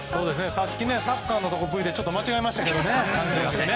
さっきサッカーのＶでちょっと間違えましたけどね。